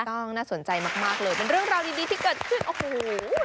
ต้องน่าสนใจมากเลยเป็นเรื่องราวดีที่เกิดขึ้นโอ้โหยังไงค่ะ